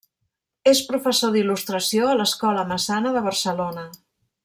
És professor d'il·lustració a l'Escola Massana de Barcelona.